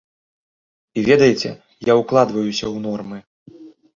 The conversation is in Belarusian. І ведаеце, я ўкладваюся ў нормы.